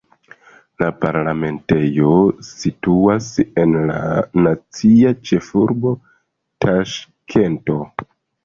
La parlamentejo situas en la nacia ĉefurbo Taŝkento.